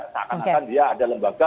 tak akan akan dia ada lembaga